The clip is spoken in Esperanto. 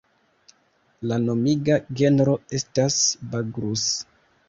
La nomiga genro estas "Bagrus".